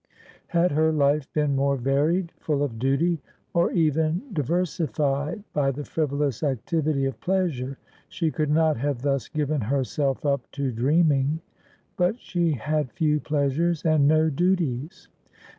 Had hei life been more varied, full of duty, or even diver sified b\ the frivolous activity of pleasure, she could not have thus giveti herself up to dreaming. But she had few pleasures and no duties.